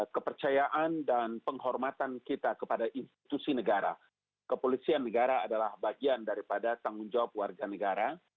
kepercayaan dan penghormatan kita kepada institusi negara kepolisian negara adalah bagian daripada tanggung jawab warga negara